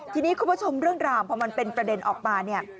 ทีนี้คุณผู้ชมเรื่องราวพอมันเป็นประเด็นออกมาเนี่ย